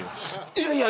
いやいや。